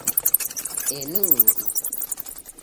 enui